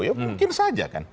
ya mungkin saja kan